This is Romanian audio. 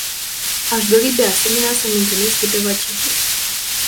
Aș dori, de asemenea, să menționez câteva cifre.